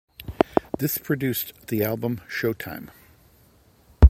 This produced the album Showtime!